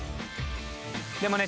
でもね